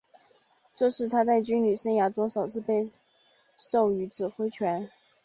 这是他在军旅生涯中首次被授予指挥权。